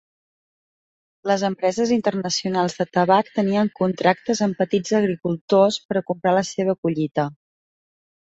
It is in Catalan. Les empreses internacionals de tabac tenien contractes amb petits agricultors per a comprar la seva collita.